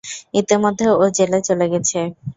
ইতিমধ্যে ও জেলে চলে গেছে।